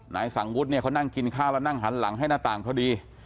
นายสังวุฒิเนี่ยเขานั่งกินข้าวแล้วนั่งหันหลังให้หน้าต่างพอดี